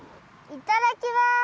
いただきます！